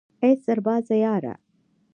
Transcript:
ای سربازه یاره